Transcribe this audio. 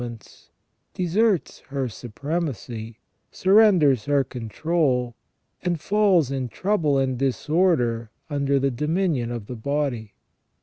73 ments deserts her supremacy, surrenders her control, and falls in trouble and disorder under the dominion of the body.